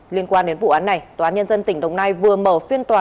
liên quan đến vụ án này tòa nhân dân tỉnh đồng nai vừa mở phiên tòa